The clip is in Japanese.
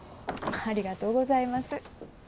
ありがとうございます。